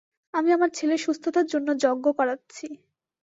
আমি আমার ছেলের সুস্থতার জন্য যজ্ঞ করাচ্ছি।